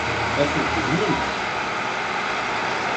Ad ten-teddmemt?